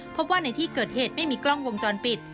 พบว่าในที่เกิดเหตุไม่มีกล้องวงจรปิด